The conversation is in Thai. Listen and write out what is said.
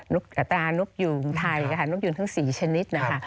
นุกตานุกหยุงไทยนุกหยุงทั้ง๔ชนิด